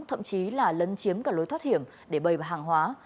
thậm chí là lấn chiếm cả lối thoát hiểm để bày vào hàng hóa